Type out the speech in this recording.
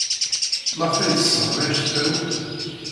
Maɣef ay d-tesɣam anect-a akk?